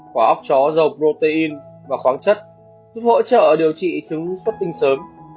quả ốc chó giàu protein và khoáng chất giúp hỗ trợ điều trị chứng xuất tinh sớm